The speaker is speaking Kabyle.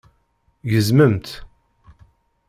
Gezmemt!